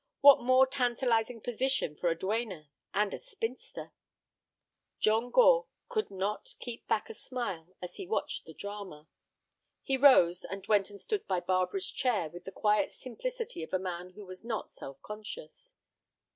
What more tantalizing position for a duenna, and a spinster! John Gore could not keep back a smile as he watched the drama. He rose, and went and stood by Barbara's chair with the quiet simplicity of a man who was not self conscious.